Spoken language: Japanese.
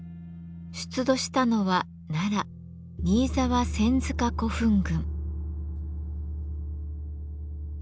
出土したのは奈良新沢千塚古墳群。